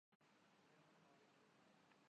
نہ حکمران کفر بواح کے مرتکب ہیں۔